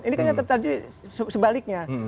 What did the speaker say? ini kan yang terjadi sebaliknya